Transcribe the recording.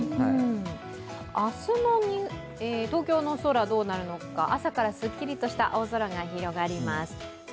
明日の東京の空どうなるのか、朝からすっきりとした青空が広がります。